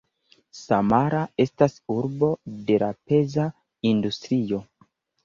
Samara estas urbo de la peza industrio.